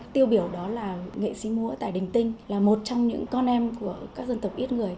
tiêu biểu đó là nghệ sĩ múa tài đình tinh là một trong những con em của các dân tộc ít người